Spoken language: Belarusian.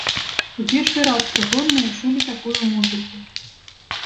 У першы раз прыгонныя чулі такую музыку.